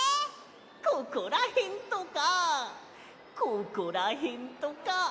ここらへんとかここらへんとか！